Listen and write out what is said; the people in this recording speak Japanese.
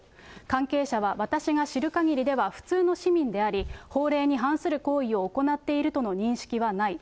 関係者は私が知るかぎりでは普通の市民であり、法令に反する行為を行っているとの認識はない。